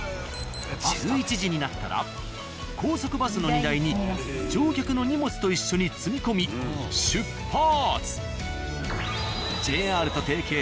１１時になったら高速バスの荷台に乗客の荷物と一緒に積み込み出発。